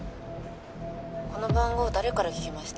この番号誰から聞きました？